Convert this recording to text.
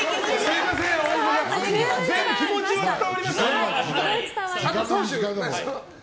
気持ちは伝わりましたよね。